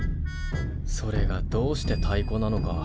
それがどうしてたいこなのか。